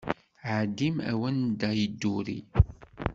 Ɛeddim ar wanda i yedduri!